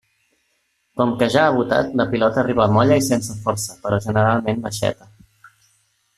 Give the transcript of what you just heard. Com que ja ha botat, la pilota arriba molla i sense força, però generalment baixeta.